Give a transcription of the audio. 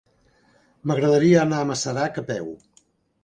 M'agradaria anar a Masarac a peu.